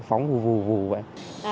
phóng vù vù vậy